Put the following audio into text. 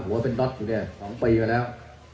หัวเป็นก๊อตอยู่เนี่ย๒ปีกว่าแล้ว